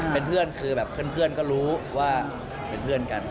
เป็นเพื่อนคือแบบเพื่อนก็รู้ว่าเป็นเพื่อนกัน